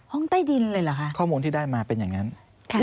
ใต้ดินเลยเหรอคะข้อมูลที่ได้มาเป็นอย่างนั้นค่ะ